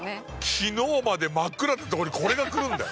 昨日まで真っ暗だったとこにこれが来るんだよ。